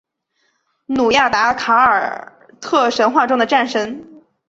努亚达凯尔特神话中的战神。